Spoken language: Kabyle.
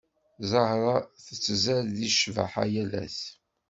Zahra tettzad di cbaḥa yal ass.